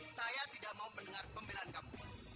saya tidak mau mendengar pembelaan kamu